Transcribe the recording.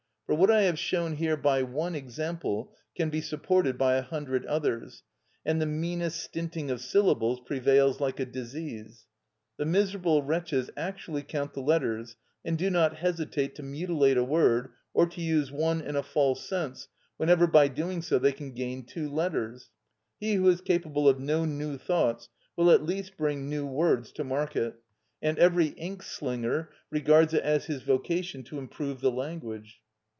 For what I have shown here by one example can be supported by a hundred others, and the meanest stinting of syllables prevails like a disease. The miserable wretches actually count the letters, and do not hesitate to mutilate a word, or to use one in a false sense, whenever by doing so they can gain two letters. He who is capable of no new thoughts will at least bring new words to market, and every ink slinger regards it as his vocation to improve the language.